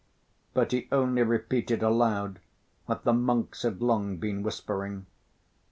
But he only repeated aloud what the monks had long been whispering.